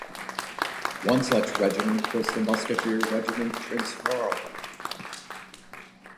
One such regiment was the Musketeer Regiment Prinz Carl.